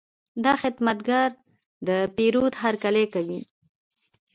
دا خدمتګر د پیرود هرکلی کوي.